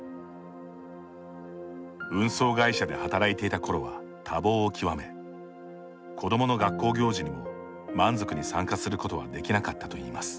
運送会社で働いていた頃は多忙を極め子供の学校行事にも満足に参加することはできなかったといいます。